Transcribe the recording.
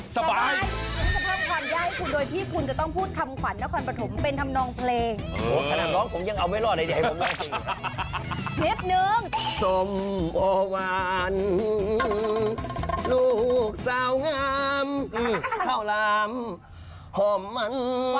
สมอวารลูกสาวงามข้าวลามห่อมมัน